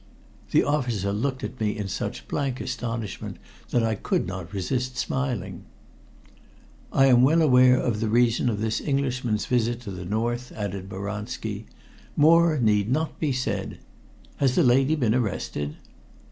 The officer looked at me in such blank astonishment that I could not resist smiling. "I am well aware of the reason of this Englishman's visit to the north," added Boranski. "More need not be said. Has the lady been arrested?"